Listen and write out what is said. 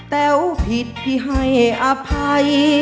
แต๋วผิดพี่ให้อภัย